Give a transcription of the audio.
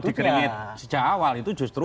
dikredit sejak awal itu justru